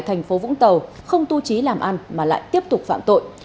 thành phố vũng tàu không tu trí làm ăn mà lại tiếp tục phạm tội